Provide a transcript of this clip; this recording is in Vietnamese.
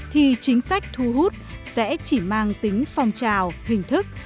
thì chính sách thu hút sẽ chỉ mang tính phong trào hình thức